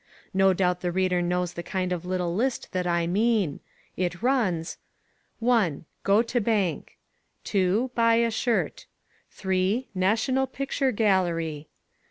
No doubt the reader knows the kind of little list that I mean. It runs: 1. Go to bank. 2. Buy a shirt. 3. National Picture Gallery.